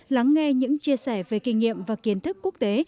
lắng nghe những chia sẻ về kinh nghiệm và kiến thức quốc tế